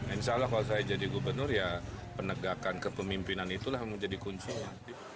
insya allah kalau saya jadi gubernur ya penegakan kepemimpinan itulah yang menjadi kuncinya